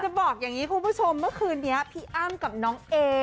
บอกอย่างนี้คุณผู้ชมเมื่อคืนนี้พี่อ้ำกับน้องเอ